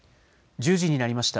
１０時になりました。